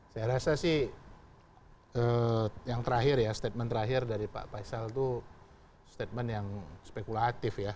saya rasa sih yang terakhir ya statement terakhir dari pak faisal itu statement yang spekulatif ya